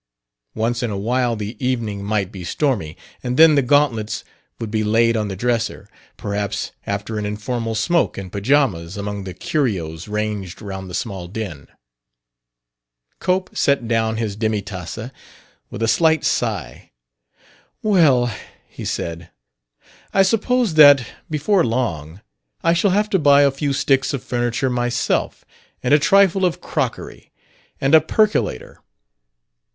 Once in a while the evening might be stormy, and then the gauntlets would be laid on the dresser perhaps after an informal smoke in pajamas among the curios ranged round the small den. Cope set down his demi tasse with a slight sigh. "Well," he said, "I suppose that, before long, I shall have to buy a few sticks of furniture myself and a trifle of 'crockery.' And a percolator."